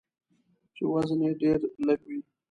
چې وزن یې ډیر لږوي.